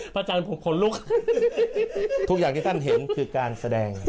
อาจารย์ผมขนลุกทุกอย่างที่ท่านเห็นคือการแสดง